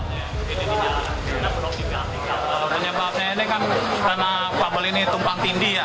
penyebabnya ini kan karena kabel ini tumpang tindih ya